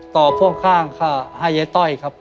ต่อพวกข้างค่ะให้เต้าอีกครับ